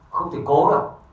không thể cố lắm